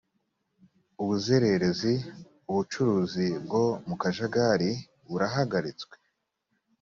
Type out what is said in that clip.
ubuzererezi ubucuruzi bwo mukajagali burahagaritswe